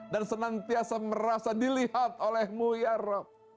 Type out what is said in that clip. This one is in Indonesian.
dan senantiasa merasa dilihat olehmu ya roh